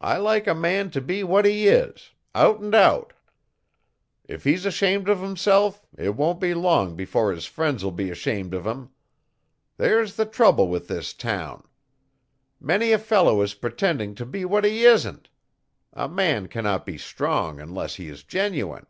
I like a man to be what he is out and out. If he's ashamed of himself it won't be long before his friends'll be ashamed of him. There's the trouble with this town. Many a fellow is pretending to be what he isn't. A man cannot be strong unless he is genuine.